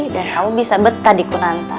dan kamu bisa betah di kunanta